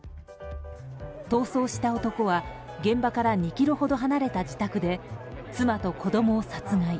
逃走した男は現場から２ｋｍほど離れた自宅で妻と子供を殺害。